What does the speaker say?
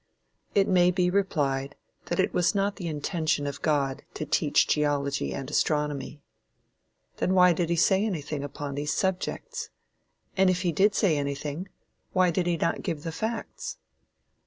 It may be replied that it was not the intention of God to teach geology and astronomy. Then why did he say anything upon these subjects? and if he did say anything, why did he not give the facts?